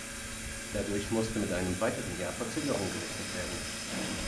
Dadurch musste mit einem weiteren Jahr Verzögerung gerechnet werden.